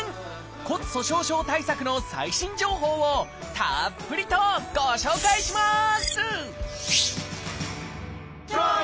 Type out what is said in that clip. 骨粗しょう症対策の最新情報をたっぷりとご紹介します！